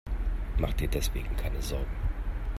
Mach dir deswegen keine Sorgen.